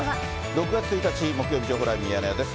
６月１日木曜日、情報ライブミヤネ屋です。